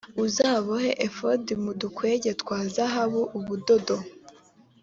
uzabohe efodi mu dukwege twa zahabu ubudodo